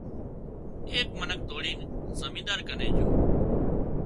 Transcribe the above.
ايڪ منک ڌوڙين زمينۮار ڪنين جھو